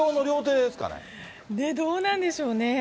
どうなんでしょうね。